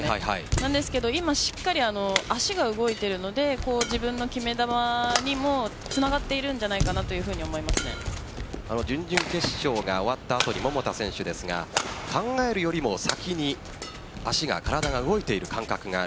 ですが今しっかり足が動いているので自分の決め球にも繋がっているんじゃないかと準々決勝が終わった後に桃田選手ですが考えるよりも先に足が、体が動いている感覚がある。